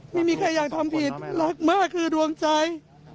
ไม่มีใครอยากทำผิดรักมากคือดวงใจ